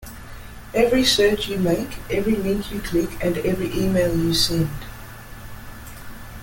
Every search you make, every link you click, and every email you send.